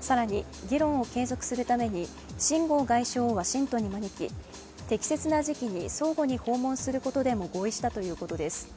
更に議論を継続するために秦剛外相をワシントンに招き、適切な時期に相互に訪問することでも合意したということです。